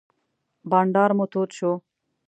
بانډار مو تود شو.